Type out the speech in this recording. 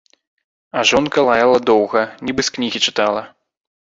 А жонка лаяла доўга, нібы з кнігі чытала.